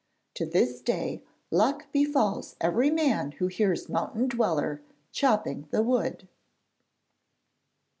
To this day luck befalls every man who hears Mountain Dweller chopping the wood.